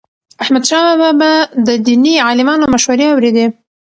احمدشاه بابا به د دیني عالمانو مشورې اوريدي.